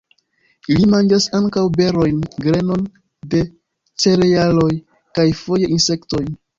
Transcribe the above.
Ili manĝas ankaŭ berojn, grenon de cerealoj kaj foje insektojn.